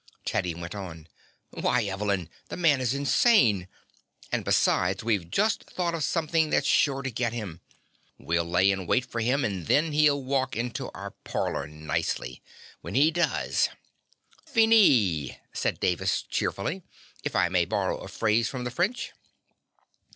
Teddy went on: "Why, Evelyn, the man is insane! And besides we've just thought of something that's sure to get him. We'll lay in wait for him, and then he'll walk into our parlor nicely. When he does " "Finis," said Davis cheerfully, "if I may borrow a phrase from the French."